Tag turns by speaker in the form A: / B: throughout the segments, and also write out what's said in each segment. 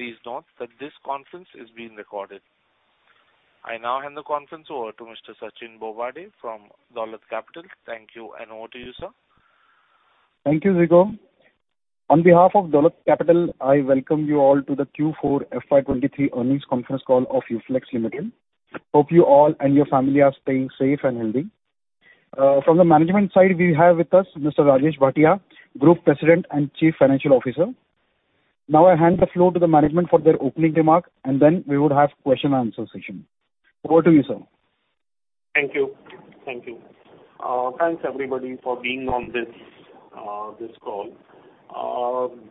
A: Please note that this conference is being recorded. I now hand the conference over to Mr. Sachin Bobade from Dolat Capital. Thank you. Over to you, sir.
B: Thank you, Ziko. On behalf of Dolat Capital, I welcome you all to the Q4 FY 2023 Earnings Conference Call of UFlex Limited. Hope you all and your family are staying safe and healthy. From the management side, we have with us Mr. Rajesh Bhatia, Group President and Chief Financial Officer. Now, I hand the floor to the management for their opening remark, and then we would have question and answer session. Over to you, sir.
C: Thank you. Thank you. Thanks, everybody, for being on this call.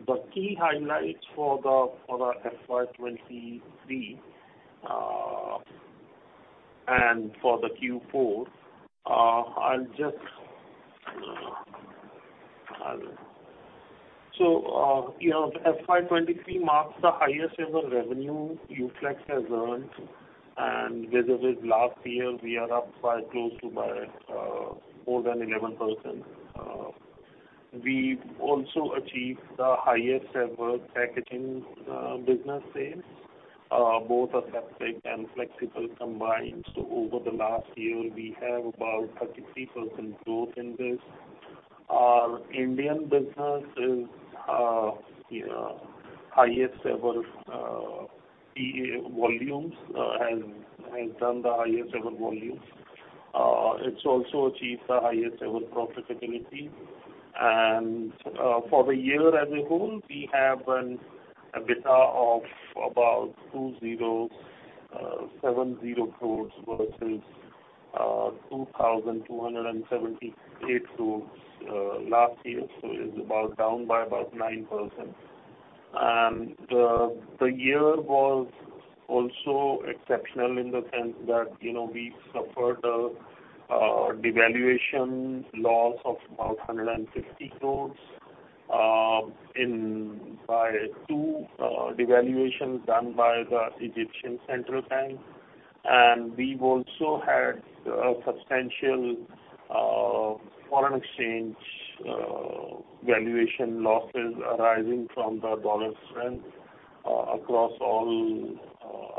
C: The key highlights for the FY 2023 and for the Q4. You know, FY 2023 marks the highest ever revenue UFlex has earned, and vis-a-vis last year, we are up by close to more than 11%. We also achieved the highest ever packaging business sales, both aseptic and flexible combined. Over the last year, we have about 33% growth in this. Our Indian business is, you know, highest ever EB volumes and has done the highest ever volumes. It's also achieved the highest ever profitability. For the year as a whole, we have an EBITDA of about 2,070 crores versus 2,278 crores last year. It's about down by about 9%. The year was also exceptional in the sense that, you know, we suffered a devaluation loss of about 150 crores in by two devaluations done by the Central Bank of Egypt. We've also had a substantial foreign exchange valuation losses arising from the dollar strength across all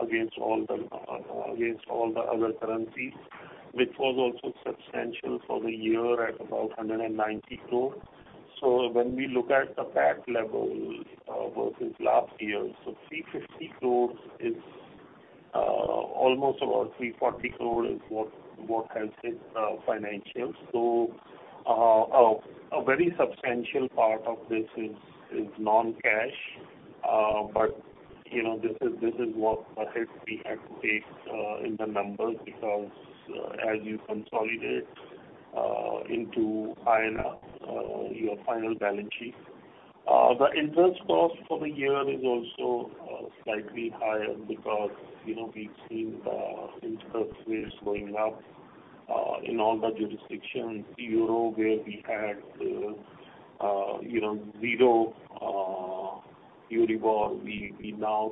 C: against all the against all the other currencies, which was also substantial for the year at about 190 crore. When we look at the PAT level versus last year, 350 crores is almost about 340 crore is what helps it financials. A very substantial part of this is non-cash. You know, this is what a hit we had to take in the numbers because as you consolidate into INR, your final balance sheet. The interest cost for the year is also slightly higher because, you know, we've seen the interest rates going up in all the jurisdictions. Euro, where we had, you know, zero Euribor, we now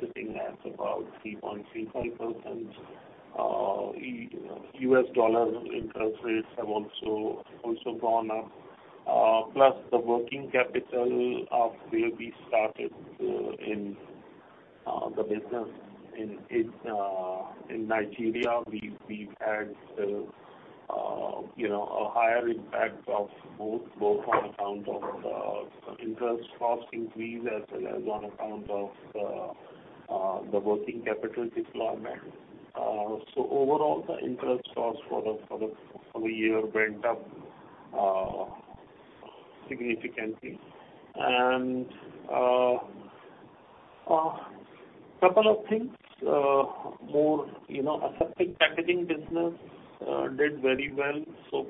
C: sitting at about 3.35%. U.S. dollar interest rates have also gone up. Plus the working capital of where we started in the business in Nigeria, we've had, you know, a higher impact of both on account of the interest cost increase as well as on account of the working capital deployment. Overall, the interest cost for the year went up significantly. Couple of things more, you know, aseptic packaging business did very well.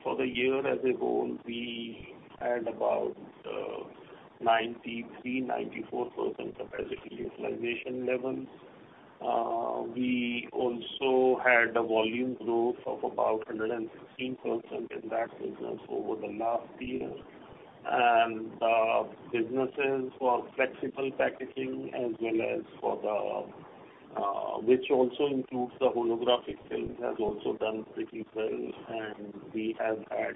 C: For the year as a whole, we had about 93%-94% capacity utilization levels. We also had a volume growth of about 115% in that business over the last year. The businesses for flexible packaging as well as for the, which also includes the holographic films, has also done pretty well, and we have had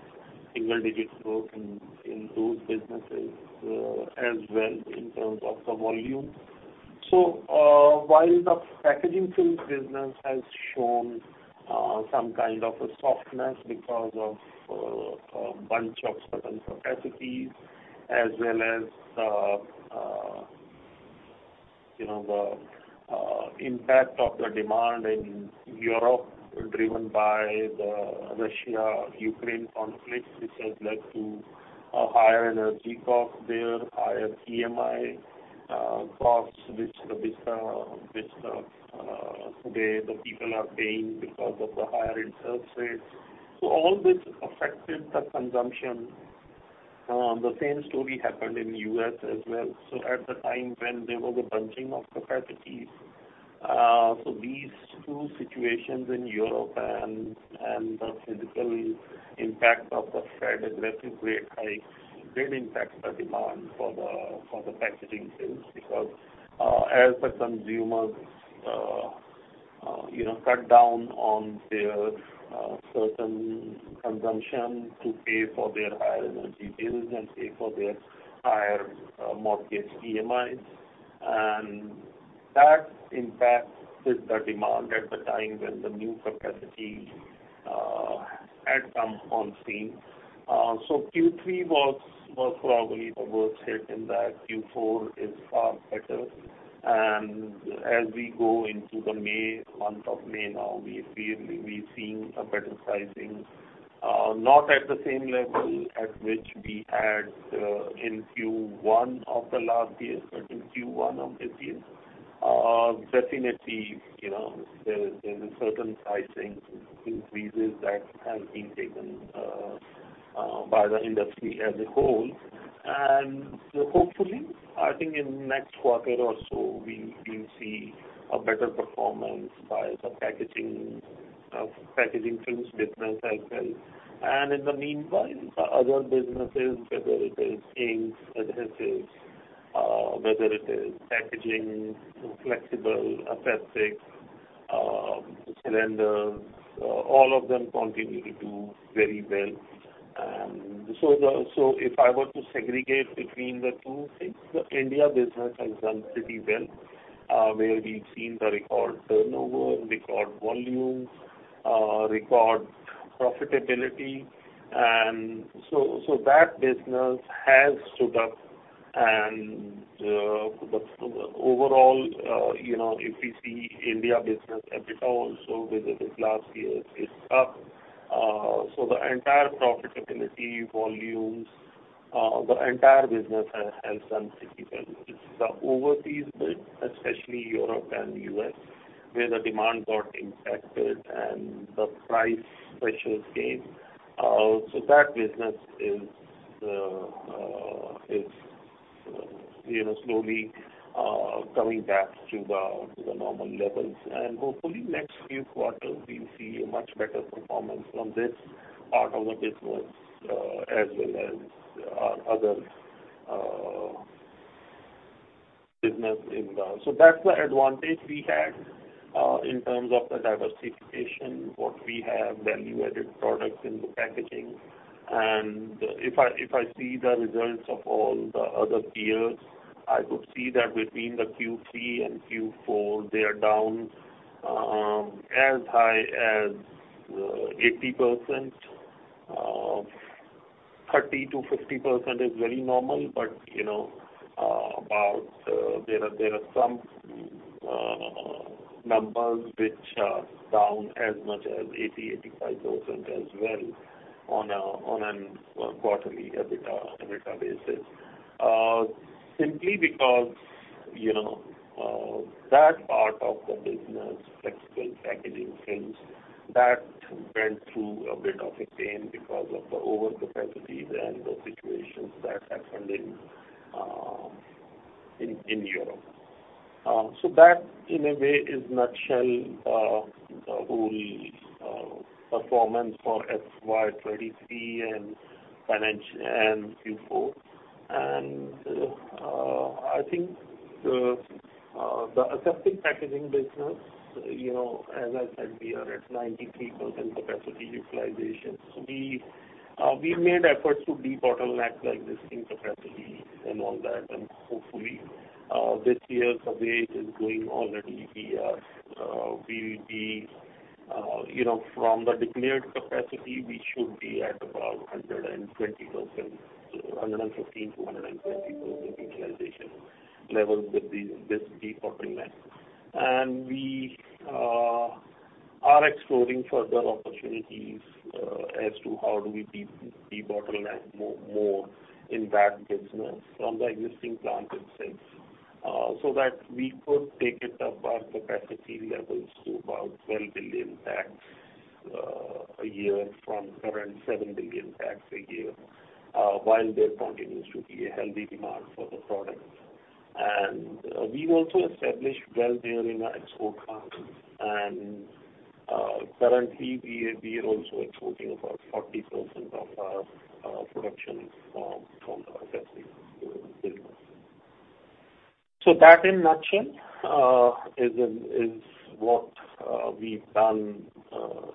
C: single-digit growth in those businesses, as well in terms of the volume. While the packaging films business has shown some kind of a softness because of a bunch of certain capacities, as well as the, you know, the impact of the demand in Europe, driven by the Russia-Ukraine conflict, which has led to a higher energy cost there, higher EMI costs, which the people are paying because of the higher interest rates. All this affected the consumption. The same story happened in the U.S. as well. At the time when there was a bunching of capacities, these two situations in Europe and the physical impact of the Fed aggressive rate hikes did impact the demand for the packaging films, because as the consumers, you know, cut down on their certain consumption to pay for their higher energy bills and pay for their higher mortgage EMIs. That impacts with the demand at the time when the new capacity had come on scene. Q3 was probably the worst hit, and that Q4 is far better. As we go into the month of May now, we feel we're seeing a better sizing. Not at the same level at which we had in Q1 of the last year, but in Q1 of this year. Definitely, you know, there's certain pricing increases that have been taken, by the industry as a whole. Hopefully, I think in next quarter or so, we'll see a better performance by the packaging, of packaging films business as well. In the meanwhile, the other businesses, whether it is inks, adhesives, whether it is packaging, flexible, adhesive, cylinders, all of them continue to do very well. So if I were to segregate between the two things, the India business has done pretty well, where we've seen the record turnover, record volumes, record profitability, so that business has stood up. The overall, you know, if we see India business EBITDA also with this last year is up. The entire profitability volumes, the entire business has done pretty well. It's the overseas bit, especially Europe and U.S., where the demand got impacted and the price pressures came. That business is, you know, slowly coming back to the normal levels. Hopefully next few quarters, we'll see a much better performance from this part of the business. That's the advantage we had, in terms of the diversification, what we have value-added products in the packaging. If I see the results of all the other peers, I would see that between the Q3 and Q4, they are down, as high as 80%. 30%-50% is very normal, but, you know, about, there are some numbers which are down as much as 80%-85% as well on a quarterly EBITDA basis. Simply because, you know, that part of the business, flexible packaging films, that went through a bit of a pain because of the overcapacity and the situations that happened in Europe. So that in a way is nutshell, the whole performance for FY 2023 and Q4. I think the aseptic packaging business, you know, as I said, we are at 93% capacity utilization. So we made efforts to debottleneck the existing capacity and all that, and hopefully, this year's survey is going already. We are, you know, from the declared capacity, we should be at about 120%, 115%-120% utilization levels with this debottleneck. We are exploring further opportunities as to how do we debottleneck more in that business from the existing plant itself. So that we could take it above capacity levels to about 12 billion packs a year from current seven billion packs a year, while there continues to be a healthy demand for the product. We've also established well there in our export countries. Currently we are also exporting about 40% of our production from the packaging business. That in nutshell is what we've done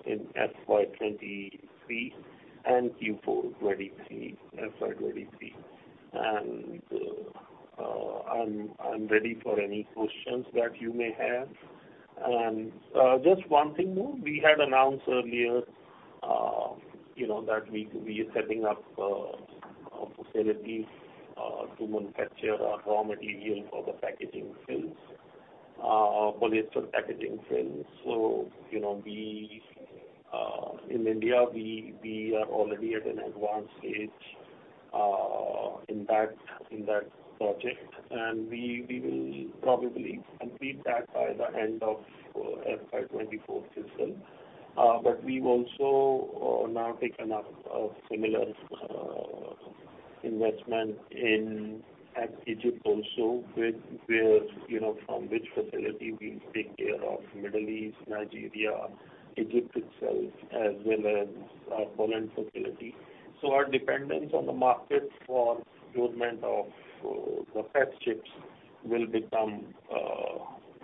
C: in FY 2023 and Q4 2023, FY 2023. I'm ready for any questions that you may have. Just one thing more. We had announced earlier, you know, that we are setting up a facility to manufacture our raw material for the packaging films, polyester packaging films. You know, we in India, we are already at an advanced stage in that project, and we will probably complete that by the end of FY 2024 fiscal. We've also now taken up a similar investment in Egypt also, with where, you know, from which facility we take care of Middle East, Nigeria, Egypt itself, as well as our Poland facility. Our dependence on the market for procurement of the PET chips will become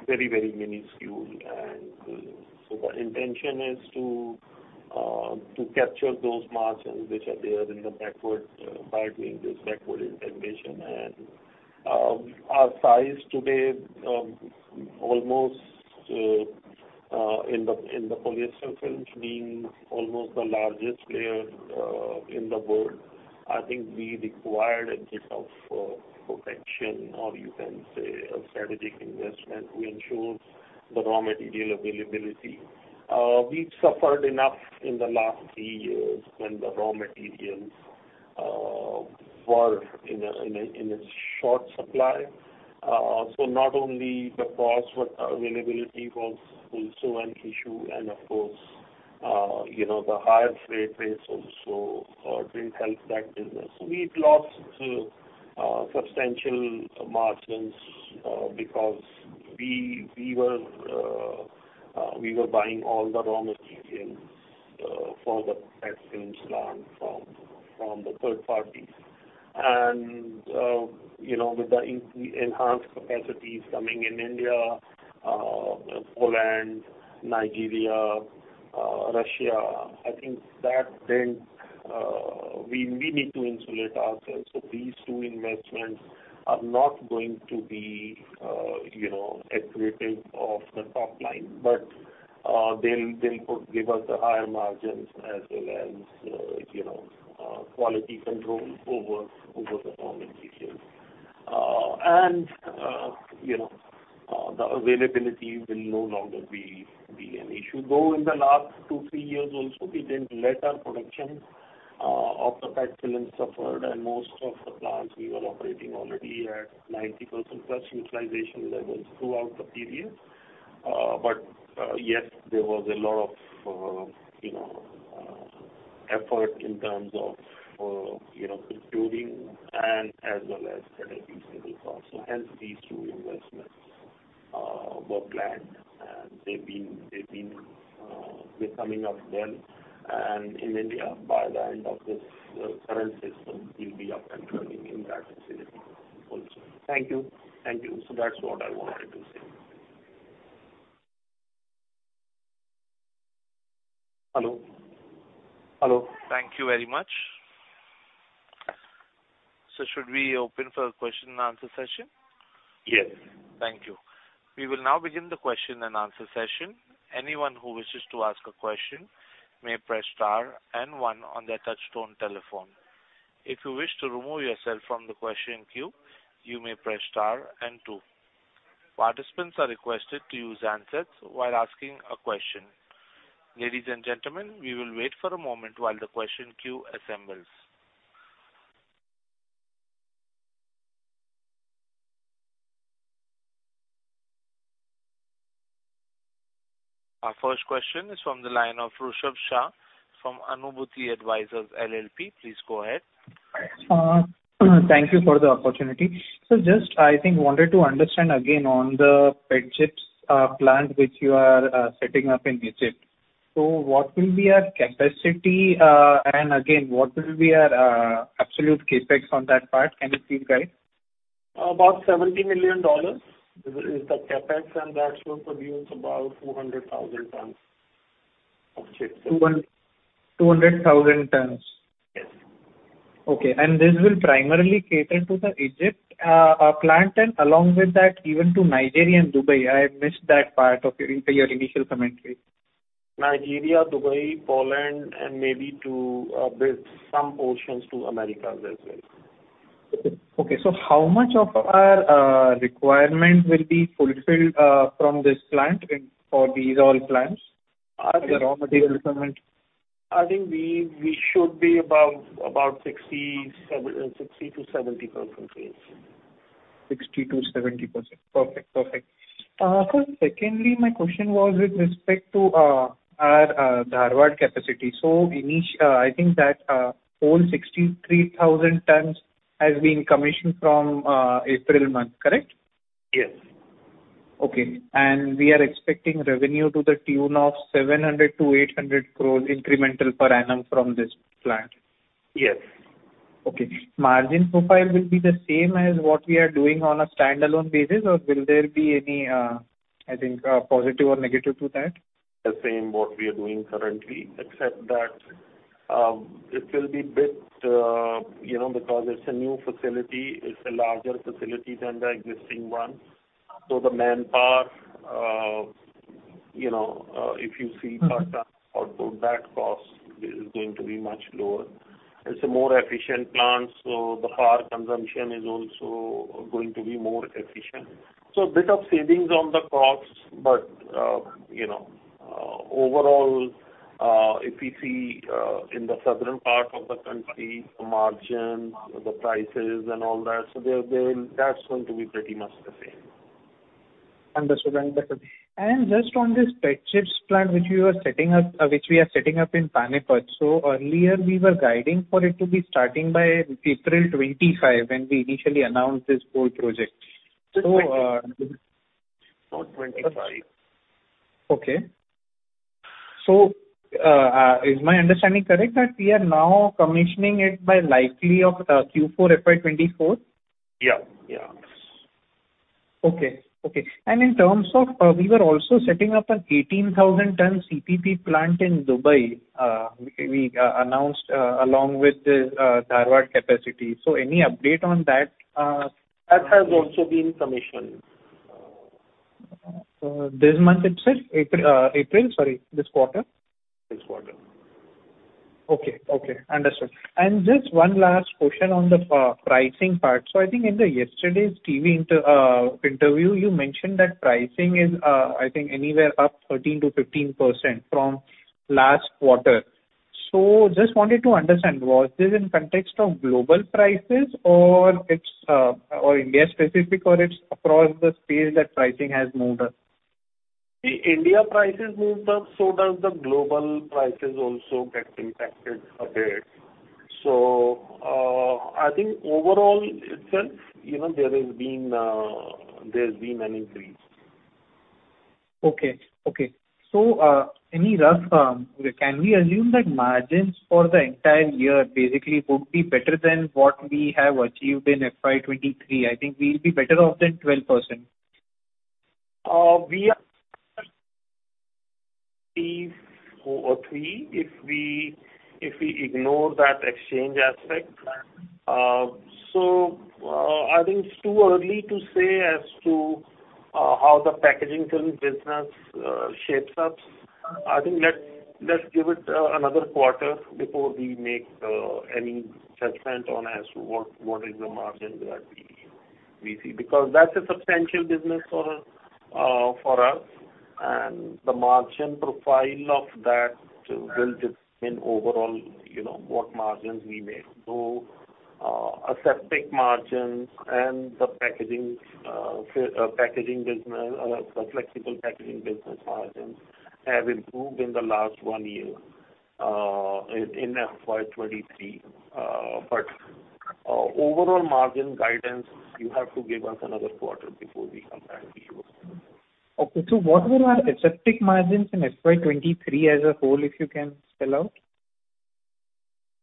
C: very minuscule. The intention is to capture those margins which are there in the backward by doing this backward integration. Our size today, almost in the polyester films being almost the largest player in the world, I think we required a bit of protection, or you can say a strategic investment to ensure the raw material availability. We've suffered enough in the last three years when the raw materials were in a short supply. Not only the cost, but availability was also an issue. Of course, you know, the higher freight rates also didn't help that business. We've lost substantial margins because we were buying all the raw materials for the PET films plant from the third parties. You know, with the enhanced capacities coming in India, Poland, Nigeria, Russia, I think that then, we need to insulate ourselves. These two investments are not going to be, you know, accretive of the top line, they'll give us the higher margins as well as, you know, quality control over the raw materials. You know, the availability will no longer be an issue, though in the last two, three years also, we didn't let our production of the PET films suffered, and most of the plants we were operating already at 90% plus utilization levels throughout the period. Yes, there was a lot of, you know, effort in terms of, you know, procuring and as well as getting these ready. Hence these two investments were planned, and they've been, they're coming up well. In India, by the end of this current fiscal, we'll be up and running in that facility also. Thank you. Thank you. That's what I wanted to say.
A: Hello?
C: Hello.
A: Thank you very much. Should we open for a question and answer session?
C: Yes.
A: Thank you. We will now begin the question and answer session. Anyone who wishes to ask a question may press star and one on their touchtone telephone. If you wish to remove yourself from the question queue, you may press star and two. Participants are requested to use handsets while asking a question. Ladies and gentlemen, we will wait for a moment while the question queue assembles. Our first question is from the line of Rushabh Shah from Anubhuti Advisors LLP. Please go ahead.
D: Thank you for the opportunity. Just, I think, wanted to understand again on the PET chips plant, which you are setting up in Egypt. What will be our capacity, and again, what will be our absolute CapEx on that part? Can you please guide?
C: About $70 million is the CapEx, and that should produce about 200,000 tons of chips.
D: 200,000 tons?
C: Yes.
D: Okay. This will primarily cater to the Egypt plant, and along with that, even to Nigeria and Dubai. I had missed that part of your initial commentary.
C: Nigeria, Dubai, Poland, and maybe to, with some portions to Americas as well.
D: Okay. How much of our requirement will be fulfilled from this plant in, for these all plants? The raw material requirement.
C: I think we should be about 60%-70%.
D: 60%-70%. Perfect. Perfect. Secondly, my question was with respect to our Dharwad capacity. I think that whole 63,000 tons has been commissioned from April month, correct?
C: Yes.
D: Okay. we are expecting revenue to the tune of 700-800 crore incremental per annum from this plant?
C: Yes.
D: Okay. Margin profile will be the same as what we are doing on a standalone basis, or will there be any, I think, positive or negative to that?
C: The same what we are doing currently, except that, it will be bit, you know, because it's a new facility, it's a larger facility than the existing one. The manpower, you know.
D: Mm-hmm
C: Per ton output, that cost is going to be much lower. It's a more efficient plant, so the power consumption is also going to be more efficient. A bit of savings on the costs, but, you know, overall, if we see, in the southern part of the country, the margin, the prices and all that, That's going to be pretty much the same.
D: Understood. Just on this PET chips plant, which you are setting up, which we are setting up in Panipat. Earlier, we were guiding for it to be starting by April 2025, when we initially announced this whole project.
C: Not 25.
D: Okay, is my understanding correct, that we are now commissioning it by likely of Q4 FY 2024?
C: Yeah. Yeah.
D: Okay, okay. In terms of, we were also setting up an 18,000 ton CPP plant in Dubai, we announced, along with the Dharwad capacity. Any update on that?
C: That has also been commissioned.
D: this month itself, April, sorry, this quarter?
C: This quarter.
D: Okay, okay, understood. Just one last question on the pricing part. I think in the yesterday's TV interview, you mentioned that pricing is, I think anywhere up 13%-15% from last quarter. Just wanted to understand, was this in context of global prices, or it's or India specific, or it's across the space that pricing has moved up?
C: The India prices moved up, so does the global prices also get impacted a bit. I think overall itself, you know, there's been an increase.
D: Okay, okay. Any rough, can we assume that margins for the entire year basically would be better than what we have achieved in FY 2023? I think we'll be better off than 12%.
C: We are or three, if we, if we ignore that exchange aspect. I think it's too early to say as to how the packaging film business shapes up. I think let's give it another quarter before we make any judgment on as to what is the margin that we see. Because that's a substantial business for us, and the margin profile of that will depend overall, you know, what margins we make. Aseptic margins and the packaging business, the flexible packaging business margins, have improved in the last one year, in FY 2023. Overall margin guidance, you have to give us another quarter before we come back to you.
D: Okay, what were our aseptic margins in FY 2023 as a whole, if you can spell out?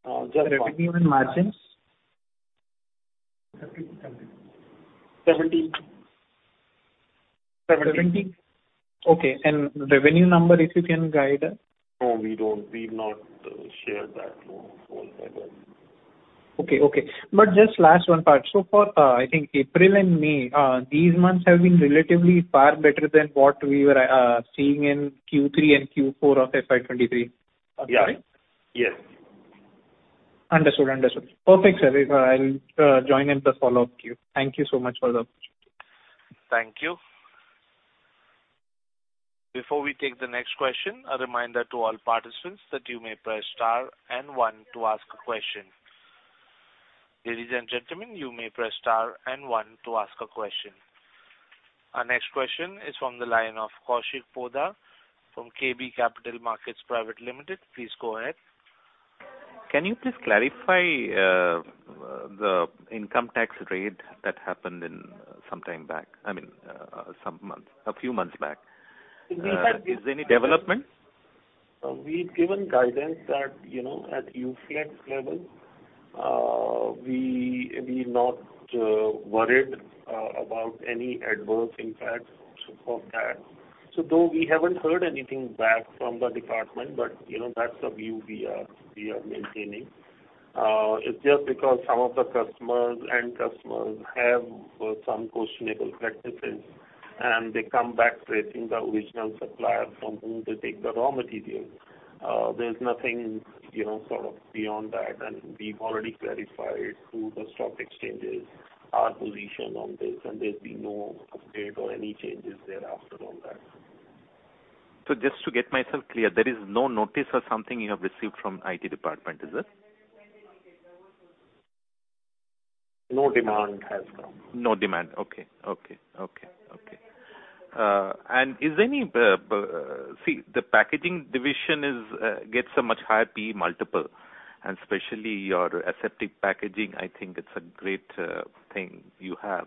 C: Uh, just-
D: Revenue and margins.
C: 70.
D: 70? Okay. Revenue number, if you can guide us.
C: No, we'll not share that one forever.
D: Okay, okay. Just last one part. For, I think April and May, these months have been relatively far better than what we were seeing in Q3 and Q4 of FY 2023.
C: Yeah.
D: Right?
C: Yes.
D: Understood, understood. Perfect, sir. I'll join in the follow-up queue. Thank you so much for the update.
C: Thank you.
A: Before we take the next question, a reminder to all participants that you may press star and one to ask a question. Ladies and gentlemen, you may press star and one to ask a question. Our next question is from the line of Kaushik Poddar from KB Capital Markets Private Limited. Please go ahead.
E: Can you please clarify, the income tax raid that happened in sometime back, I mean, some months, a few months back?
C: We had-
E: Is there any development?
C: We've given guidance that, you know, at UFlex level, we not worried about any adverse impacts of that. Though we haven't heard anything back from the department, but, you know, that's the view we are maintaining. It's just because some of the customers, end customers have some questionable practices, and they come back tracing the original supplier from whom they take the raw material. There's nothing, you know, sort of beyond that. We've already clarified to the stock exchanges our position on this. There's been no update or any changes thereafter on that.
E: Just to get myself clear, there is no notice or something you have received from IT department, is it?
C: No demand has come.
E: No demand. Okay, okay, okay. See, the packaging division gets a much higher P/E multiple, and especially your aseptic packaging, I think it's a great thing you have.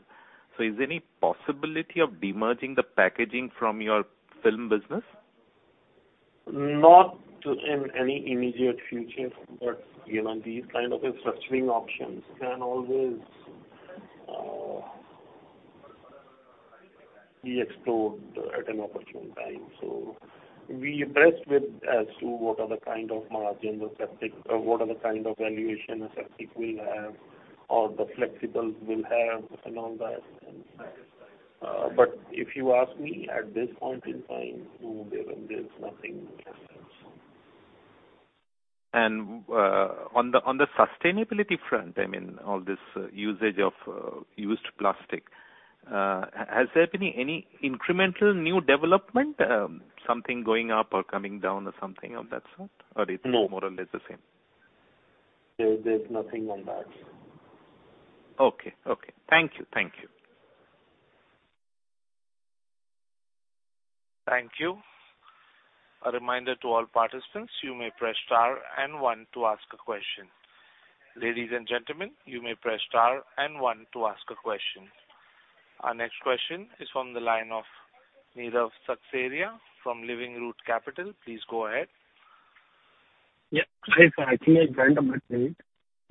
E: Is there any possibility of demerging the packaging from your film business?
C: Not in any immediate future, but, you know, these kind of restructuring options can always be explored at an opportune time. We are blessed with as to what are the kind of margin the aseptic, or what are the kind of valuation aseptic will have, or the flexibles will have and all that. If you ask me, at this point in time, no, there's nothing like that.
E: On the sustainability front, I mean, all this usage of used plastic, has there been any incremental new development, something going up or coming down or something of that sort? Or it's?
C: No.
E: More or less the same.
C: There's nothing on that.
E: Okay, okay. Thank you. Thank you.
A: Thank you. A reminder to all participants, you may press star and one to ask a question. Ladies and gentlemen, you may press star and one to ask a question. Our next question is from the line of Nirav Seksaria from Living Root Capital. Please go ahead.
F: Yeah. Hi, sir. I think I joined a bit late.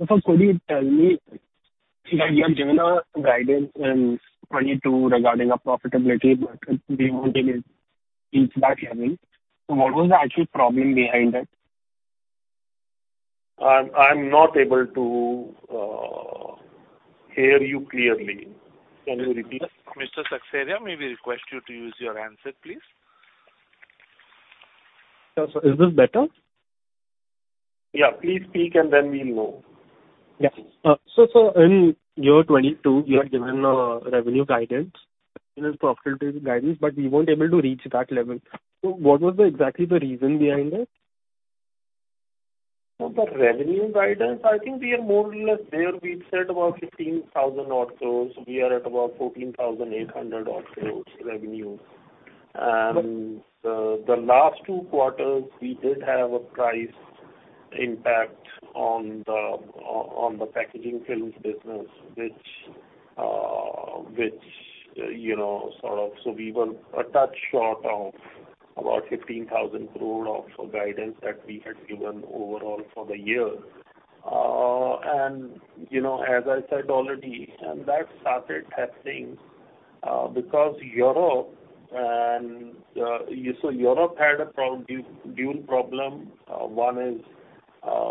F: Sir, could you tell me, you had given a guidance in 2022 regarding a profitability, but we won't get it, reach that level. What was the actual problem behind that?
C: I'm not able to hear you clearly. Can you repeat?
A: Mr. Seksaria, may we request you to use your handset, please?
F: Yeah, sir. Is this better?
C: Yeah. Please speak, and then we'll know.
F: Yeah. So in year 22, you had given a revenue guidance and a profitability guidance, but we weren't able to reach that level. What was the exactly the reason behind it?
C: For the revenue guidance, I think we are more or less there. We've said about 15,000 or so. We are at about 14,800 or so revenue. The last two quarters, we did have a price impact on the packaging films business, which, you know, sort of so we were a touch short of about 15,000 crore of guidance that we had given overall for the year. You know, as I said already, that started happening because Europe had a problem, dual problem. One is,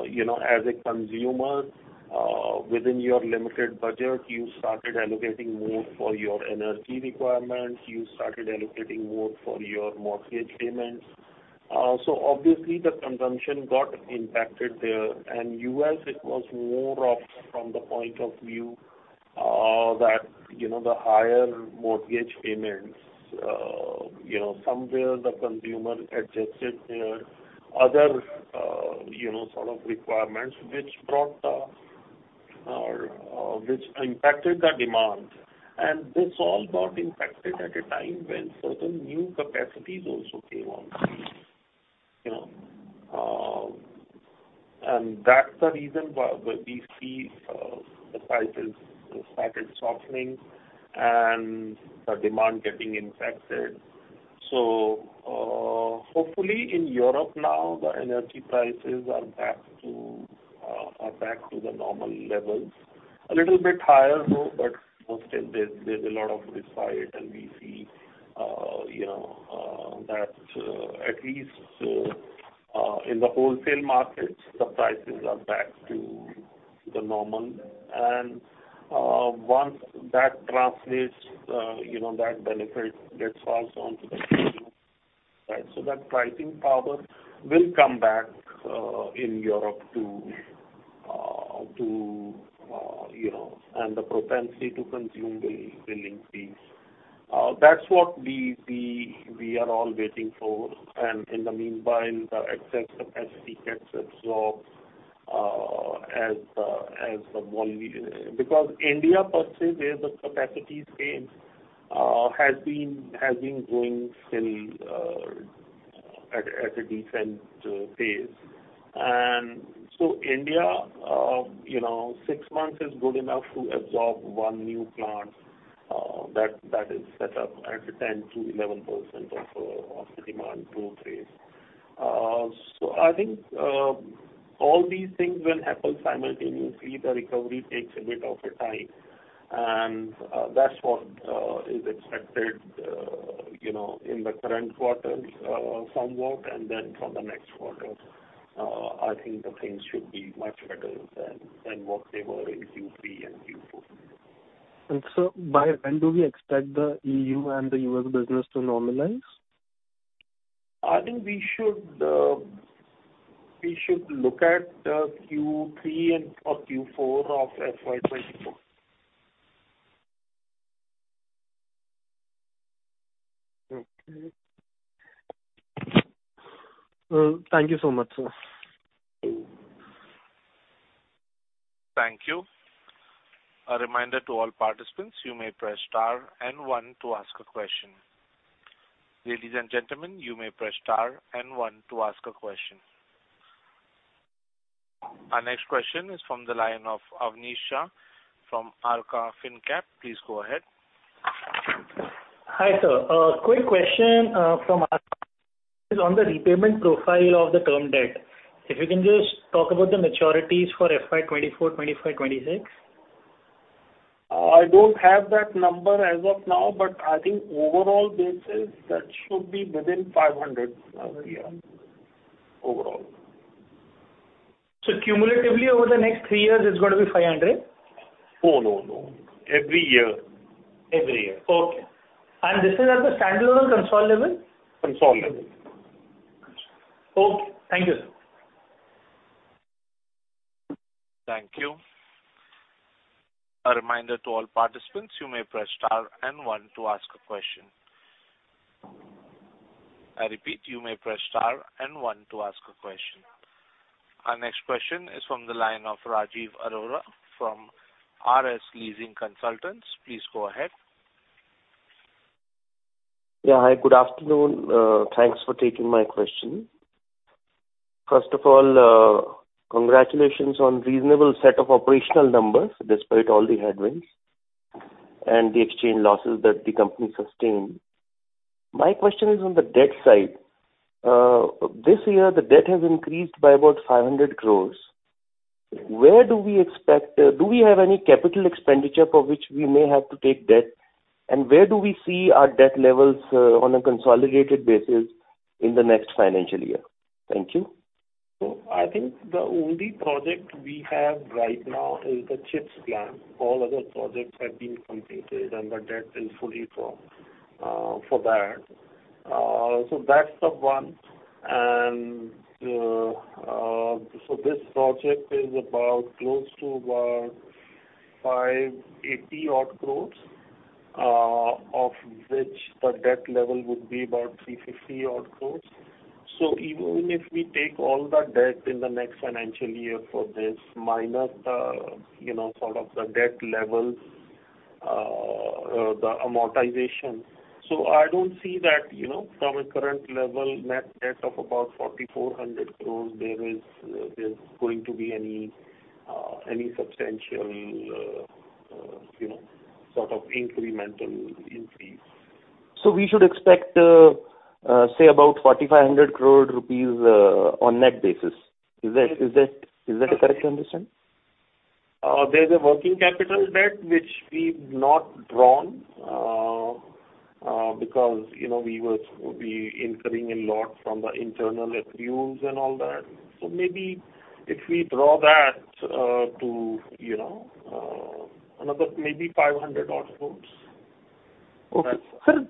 C: you know, as a consumer, within your limited budget, you started allocating more for your energy requirements, you started allocating more for your mortgage payments. Obviously the consumption got impacted there. U.S., it was more of from the point of view, that, you know, the higher mortgage payments, you know, somewhere the consumer adjusted their other, you know, sort of requirements, which brought the, which impacted the demand. This all got impacted at a time when certain new capacities also came on stream, you know. That's the reason why we see, the prices started softening and the demand getting impacted. Hopefully in Europe now, the energy prices are back to the normal levels. A little bit higher though, but still there's a lot of respite, and we see, you know, that, at least, in the wholesale markets, the prices are back to the normal. Once that translates, you know, that benefit gets also onto the, right. That pricing power will come back in Europe to, you know, and the propensity to consume will increase. That's what we are all waiting for. In the meanwhile, the excess capacity gets absorbed. Because India per se, where the capacity came, has been growing still at a decent pace. India, you know, six months is good enough to absorb one new plant that is set up at 10%-11% of the demand growth rate. I think all these things when happen simultaneously, the recovery takes a bit of a time. That's what, is expected, you know, in the current quarter, somewhat, and then from the next quarters, I think the things should be much better than what they were in Q3 and Q4.
F: By when do we expect the E.U. and the U.S. business to normalize?
C: I think we should, we should look at, Q3 and or Q4 of FY 2024.
F: Okay. Thank you so much, sir.
A: Thank you. A reminder to all participants, you may press star and one to ask a question. Ladies and gentlemen, you may press star and one to ask a question. Our next question is from the line of Avanish Shah from Arka Fincap. Please go ahead.
G: Hi, sir. Quick question from Arka. On the repayment profile of the term debt, if you can just talk about the maturities for FY 2024, 2025, 2026.
C: I don't have that number as of now, but I think overall basis, that should be within 500 every year, overall.
G: Cumulatively, over the next three years, it's going to be 500?
C: Oh, no. Every year. Every year.
G: Okay. This is at the standalone or consolidated?
C: Consolidated.
G: Okay. Thank you, sir.
A: Thank you. A reminder to all participants, you may press star and one to ask a question. I repeat, you may press star and one to ask a question. Our next question is from the line of Rajeev Arora from RS Leasing Consultants. Please go ahead.
H: Yeah. Hi, good afternoon. Thanks for taking my question. First of all, congratulations on reasonable set of operational numbers, despite all the headwinds and the exchange losses that the company sustained. My question is on the debt side. This year, the debt has increased by about 500 crores. Where do we expect, do we have any capital expenditure for which we may have to take debt? Where do we see our debt levels, on a consolidated basis in the next financial year? Thank you.
C: I think the only project we have right now is the chips plant. All other projects have been completed, and the debt is fully drawn for that. That's the one. This project is about close to about 580 odd crores, of which the debt level would be about 350 odd crores. Even if we take all the debt in the next financial year for this, minus, you know, sort of the debt level, the amortization. I don't see that, you know, from a current level, net debt of about 4,400 crores, there's going to be any substantial, you know, sort of incremental increase.
H: We should expect, say about 4,500 crore rupees, on net basis. Is that a correct understand?
C: There's a working capital debt which we've not drawn, because, you know, we incurring a lot from the internal accruals and all that. Maybe if we draw that, to, you know, another maybe 500 odd crores.
H: Okay. Sir,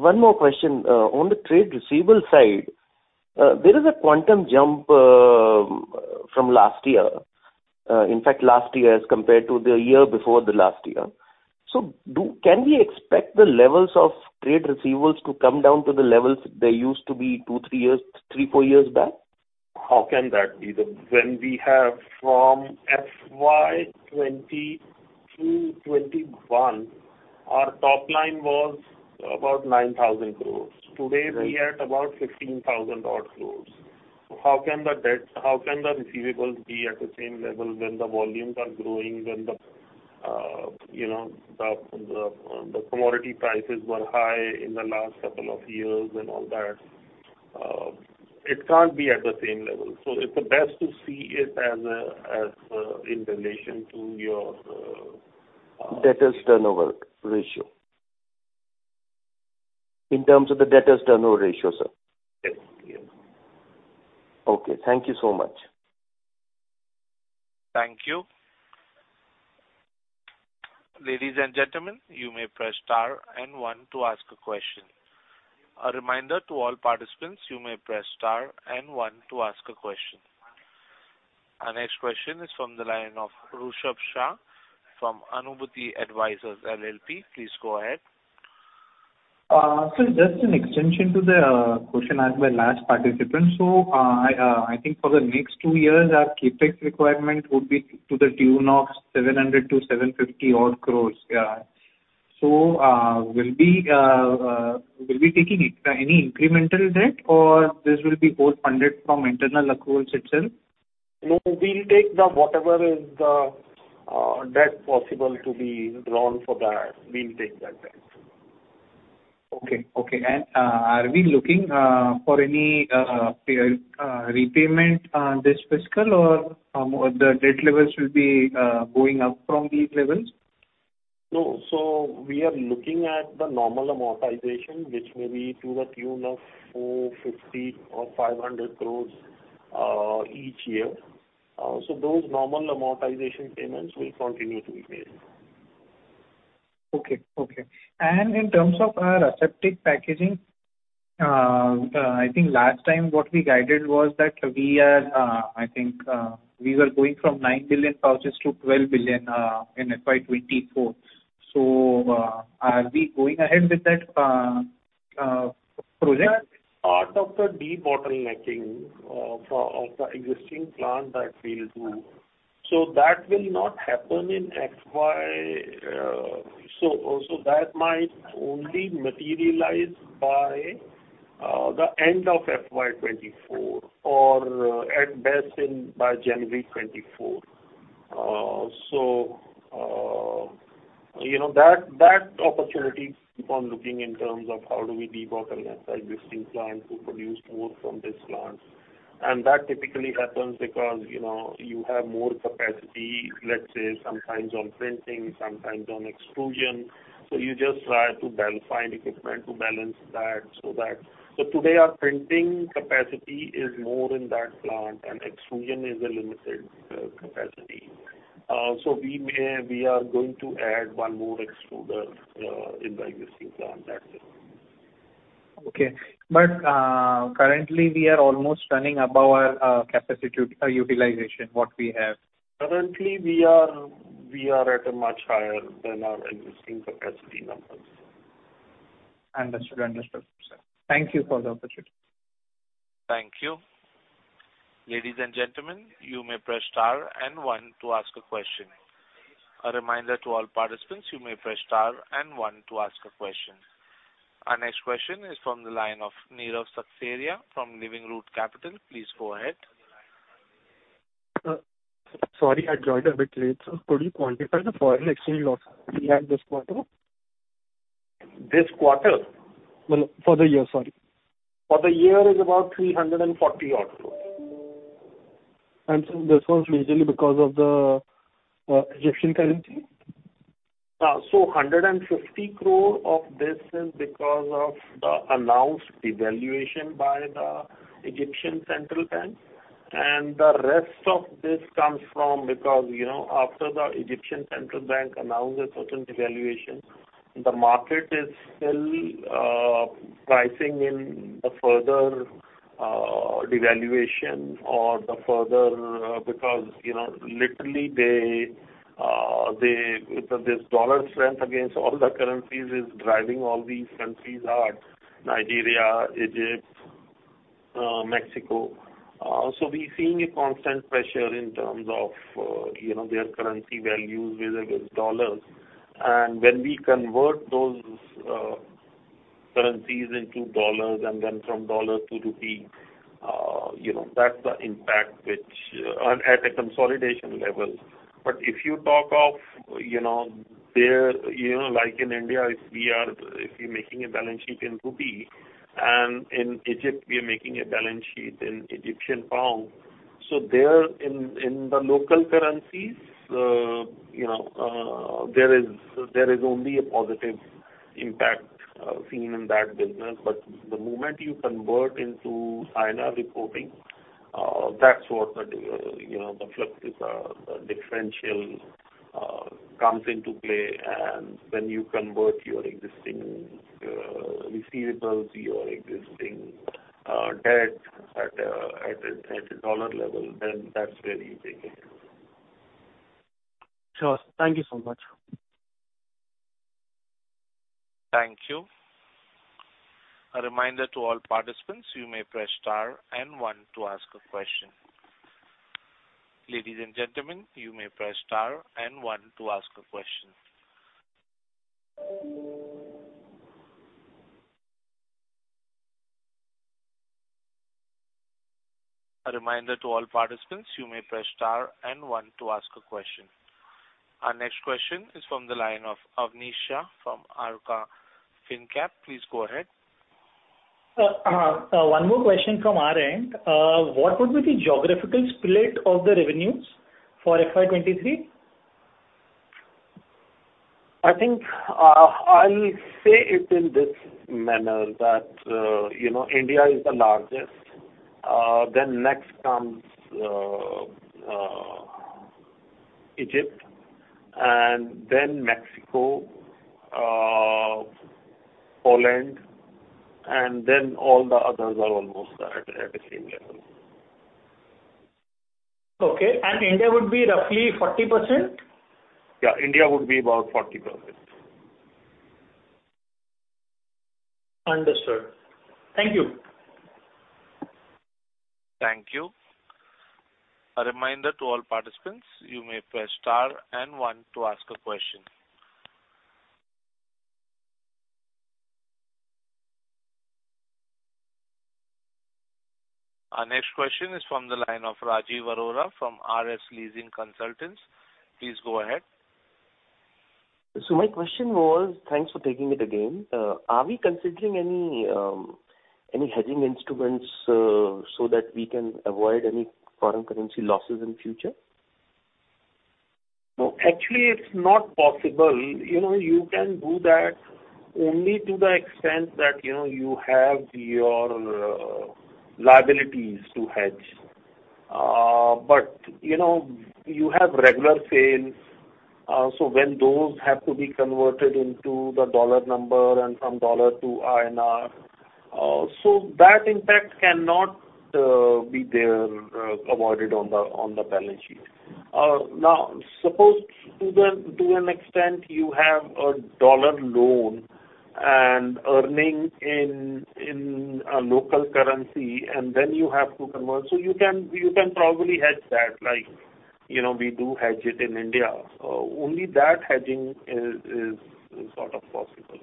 H: one more question, on the trade receivable side, there is a quantum jump, from last year. In fact, last year as compared to the year before the last year. Can we expect the levels of trade receivables to come down to the levels they used to be two, three years, three, four years back?
C: How can that be, when we have from FY 2020 through 2021, our top line was about 9,000 crore. Today, we are at about 15,000 odd crore. How can the debt, how can the receivables be at the same level when the volumes are growing, when you know, the commodity prices were high in the last couple of years and all that? It can't be at the same level, so it's the best to see it as in relation to your.
H: Debtors turnover ratio. In terms of the debtors turnover ratio, sir.
C: Yes. Yeah.
H: Okay, thank you so much.
A: Thank you. Ladies and gentlemen, you may press star and one to ask a question. A reminder to all participants, you may press star and one to ask a question. Our next question is from the line of Rushabh Shah from Anubhuti Advisors LLP. Please go ahead.
D: Just an extension to the question asked by last participant. I think for the next two years, our CapEx requirement would be to the tune of 700-750 odd crores, yeah. We'll be taking it. Any incremental debt, or this will be more funded from internal accruals itself?
C: No, we'll take the, whatever is the, debt possible to be drawn for that, we'll take that debt.
D: Okay, okay. Are we looking for any repayment on this fiscal, or the debt levels will be going up from these levels?
C: No. we are looking at the normal amortization, which may be to the tune of 450 or 500 crores, each year. those normal amortization payments will continue to be made.
D: Okay, okay. In terms of our aseptic packaging, I think last time what we guided was that we are, I think, we were going from nine billion pouches to 12 billion in FY 2024. Are we going ahead with that project?
C: Part of the debottlenecking of the existing plant that we'll do. That will not happen in FY, so that might only materialize by the end of FY 2024, or at best in by January 2024. You know, that opportunity keep on looking in terms of how do we debottleneck our existing plant to produce more from this plant. That typically happens because, you know, you have more capacity, let's say sometimes on printing, sometimes on extrusion. You just try to find equipment to balance that, so that. Today, our printing capacity is more in that plant, and extrusion is a limited capacity. We may, we are going to add one more extruder in the existing plant, that's it.
D: Okay. Currently, we are almost running above our capacity utilization, what we have.
C: Currently, we are at a much higher than our existing capacity numbers.
D: Understood, understood, sir. Thank you for the opportunity.
A: Thank you. Ladies and gentlemen, you may press star and one to ask a question. A reminder to all participants, you may press star and one to ask a question. Our next question is from the line of Nirav Seksaria from Living Root Capital. Please go ahead.
F: Sorry, I joined a bit late, could you quantify the foreign exchange loss we had this quarter?
C: This quarter?
F: Well, for the year, sorry.
C: For the year is about 340 odd crore.
F: This was majorly because of the Egyptian currency?
C: 150 crore of this is because of the announced devaluation by the Egyptian Central Bank. The rest of this comes from because, you know, after the Egyptian Central Bank announced a certain devaluation, the market is still pricing in the further devaluation or the further because, you know, literally this dollar strength against all the currencies is driving all these countries hard, Nigeria, Egypt, Mexico. We're seeing a constant pressure in terms of, you know, their currency values vis-a-vis dollars. When we convert those currencies into dollars and then from dollars to rupee, you know, that's the impact which at a consolidation level. If you talk of, you know, there, you know, like in India, if we are, if we're making a balance sheet in rupee, and in Egypt, we are making a balance sheet in Egyptian pound. There in the local currencies, you know, there is only a positive impact seen in that business. The moment you convert into INR reporting, that's what the, you know, the fluxes, the differential comes into play. When you convert your existing receivables, your existing debt at a dollar level, then that's where you take it.
F: Sure. Thank you so much.
A: Thank you. A reminder to all participants, you may press star and one to ask a question. Ladies and gentlemen, you may press star and one to ask a question. A reminder to all participants, you may press star and one to ask a question. Our next question is from the line of Avanish Shah from Arka Fincap. Please go ahead.
G: One more question from our end. What would be the geographical split of the revenues for FY 23?
C: I think, I'll say it in this manner, that, you know, India is the largest, then next comes, Egypt and then Mexico, Poland, and then all the others are almost at the same level.
G: Okay. India would be roughly 40%?
C: Yeah, India would be about 40%.
G: Understood. Thank you.
A: Thank you. A reminder to all participants, you may press star and one to ask a question. Our next question is from the line of Rajeev Arora from RS Leasing Consultants. Please go ahead.
H: My question was. Thanks for taking it again. Are we considering any hedging instruments so that we can avoid any foreign currency losses in future?
C: No, actually, it's not possible. You know, you can do that only to the extent that, you know, you have your liabilities to hedge. You know, you have regular sales, so when those have to be converted into the dollar number and from dollar to INR, so that impact cannot be there avoided on the balance sheet. Now, suppose to an extent you have a dollar loan and earning in a local currency, and then you have to convert, so you can probably hedge that, like, you know, we do hedge it in India. Only that hedging is sort of possible.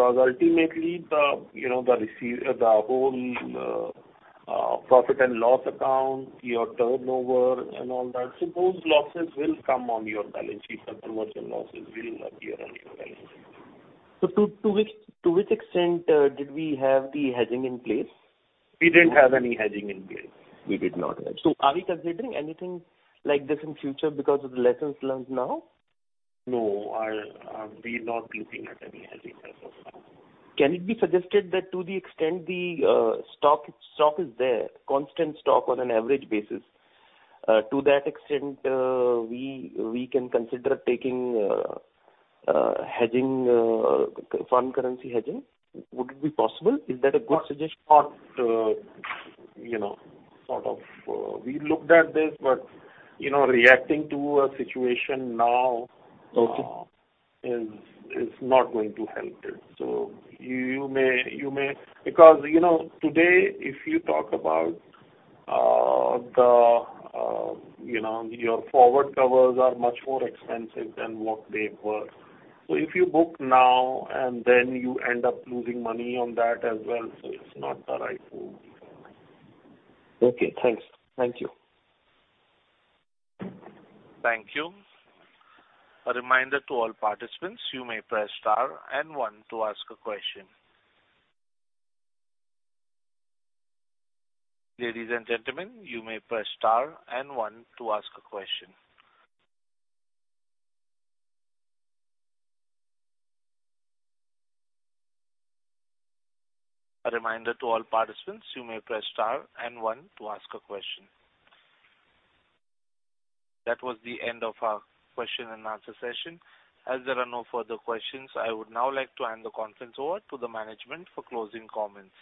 C: Ultimately the, you know, the whole profit and loss account, your turnover and all that, suppose losses will come on your balance sheet, the conversion losses will appear on your balance sheet.
H: To which extent did we have the hedging in place?
C: We didn't have any hedging in place. We did not hedge.
H: Are we considering anything like this in future because of the lessons learned now?
C: No, we're not looking at any hedging as of now.
H: Can it be suggested that to the extent the stock is there, constant stock on an average basis, to that extent, we can consider taking hedging, foreign currency hedging? Would it be possible? Is that a good suggestion?
C: Not, you know, sort of, we looked at this, but, you know, reacting to a situation now
H: Okay.
C: Is not going to help it. You may, because, you know, today, if you talk about the, you know, your forward covers are much more expensive than what they were. If you book now and then you end up losing money on that as well, it's not the right move.
E: Okay, thanks. Thank you.
A: Thank you. A reminder to all participants, you may press star and one to ask a question. Ladies and gentlemen, you may press star and one to ask a question. A reminder to all participants, you may press star and one to ask a question. That was the end of our question and answer session. As there are no further questions, I would now like to hand the conference over to the management for closing comments.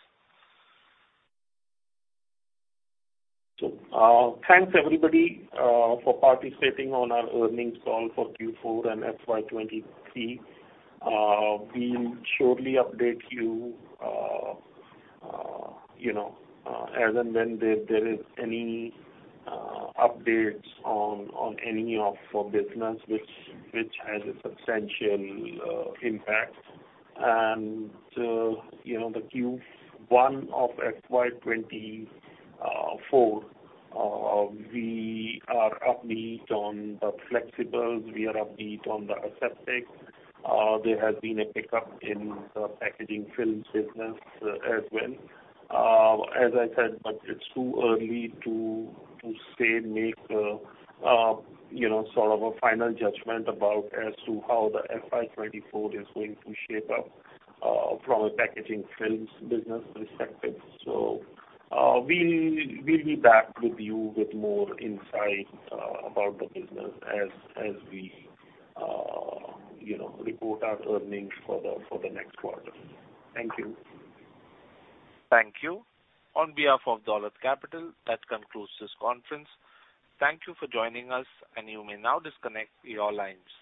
C: Thanks, everybody, for participating on our earnings call for Q4 and FY 2023. We'll shortly update you know, as and when there is any updates on any of our business, which has a substantial impact. You know, the Q1 of FY 2024, we are upbeat on the flexibles, we are upbeat on the aseptics. There has been a pickup in the packaging films business as well. As I said, but it's too early to say, make a, you know, sort of a final judgment about as to how the FY 2024 is going to shape up from a packaging films business perspective. We'll be back with you with more insight about the business as we, you know, report our earnings for the next quarter. Thank you.
A: Thank you. On behalf of Dolat Capital, that concludes this conference. Thank you for joining us. You may now disconnect your lines.